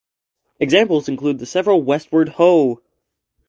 Examples include the several Westward Ho!